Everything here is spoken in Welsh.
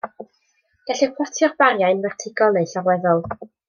Gellir plotio'r bariau yn fertigol neu'n llorweddol.